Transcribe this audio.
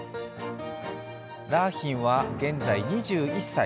良浜は現在、２１歳。